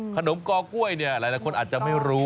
ขนมกกเนี่ยหลายคนอาจจะไม่รู้